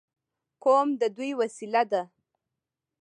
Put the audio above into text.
قوم د دوی وسیله ده.